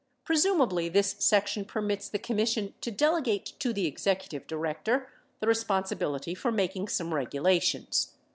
Presumably, this section permits the Commission to delegate to the executive director the responsibility for making some regulations.